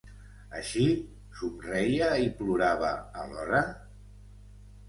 Així somreia i plorava alhora?